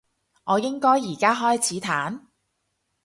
我應該而家開始彈？